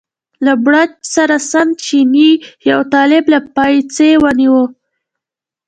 له بړچ سره سم چیني یو طالب له پایڅې ونیوه.